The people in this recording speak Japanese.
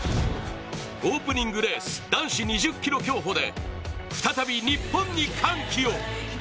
オープニングレース男子２０ｋｍ競歩で再び日本に歓喜を。